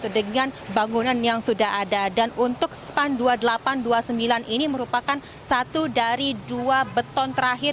dengan bangunan yang sudah ada dan untuk span dua puluh delapan dua puluh sembilan ini merupakan satu dari dua beton terakhir